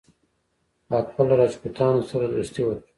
اکبر له راجپوتانو سره دوستي وکړه.